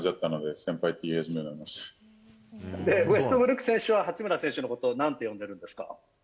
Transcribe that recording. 先輩って言い始めウェストブルック選手は、八村選手のことをなんて呼んでいるんですか。